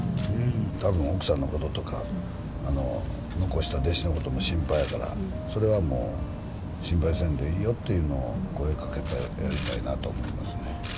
たぶん、奥さんのこととか、残した弟子のことも心配やから、それはもう、心配せんでいいよというのを声かけてやりたいなと思